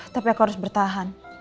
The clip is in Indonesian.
tapi aku harus bertahan